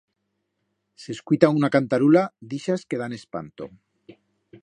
S'escuita una cantarula d'ixas que dan espanto.